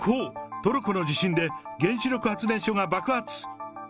トルコの地震で原子力発電所が爆発。